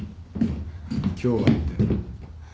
「今日は」って。